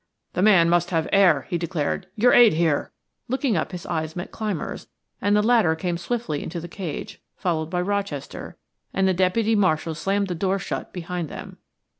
"The man must have air," he declared. "Your aid here." Looking up his eyes met Clymer's, and the latter came swiftly into the cage, followed by Rochester, and the deputy marshal slammed the door shut behind them.